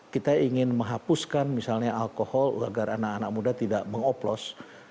kita ingin menghapuskan misalnya alkohol agar anak anak muda tidak mengoplos